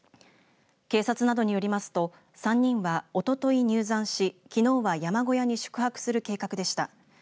警察などによりますと３人は、おととい入山しきのうは山小屋に宿泊する計画でした。